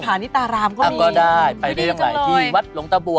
ไปได้อย่างไรที่วัดลงตะบัว